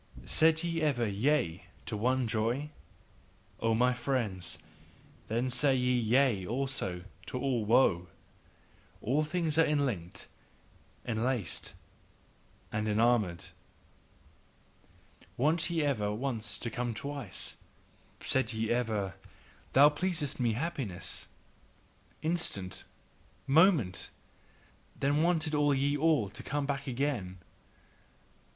Said ye ever Yea to one joy? O my friends, then said ye Yea also unto ALL woe. All things are enlinked, enlaced and enamoured, Wanted ye ever once to come twice; said ye ever: "Thou pleasest me, happiness! Instant! Moment!" then wanted ye ALL to come back again!